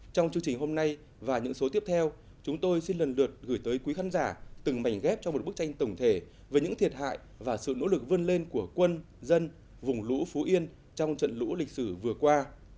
trong chương trình hôm nay và những số tiếp theo chúng tôi xin lần lượt gửi tới quý khán giả từng mảnh ghép cho một bức tranh tổng thể về những thiệt hại và sự nỗ lực vươn lên của quân dân vùng lũ phú yên trong trận lũ lịch sử vừa qua